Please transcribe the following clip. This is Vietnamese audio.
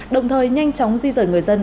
đồng thời nhanh chóng di rời người dân